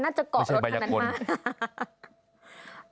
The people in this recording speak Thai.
ไม่ใช่มายักษ์ม่าน